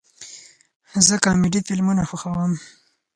زه کامیډي فلمونه خوښوم